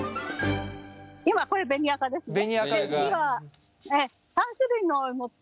今これ紅赤ですね。